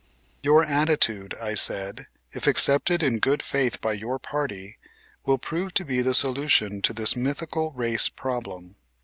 "Your attitude," I said, "if accepted in good faith by your party, will prove to be the solution of this mythical race problem.